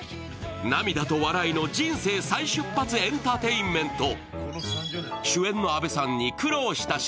涙と笑いの人生再出発エンターテインメント。